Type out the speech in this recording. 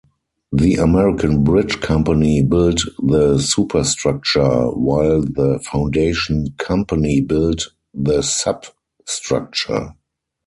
The American Bridge Company built the superstructure; while the Foundation Company built the substructure.